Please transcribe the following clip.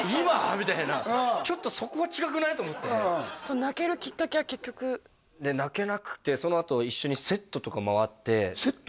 みたいなちょっとそこは違くない？と思って泣けるきっかけは結局で泣けなくてそのあと一緒にセットとか回ってセット？